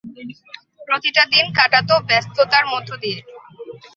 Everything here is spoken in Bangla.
প্রতিটা দিন কাটতো ব্যস্ততার মধ্য দিয়ে।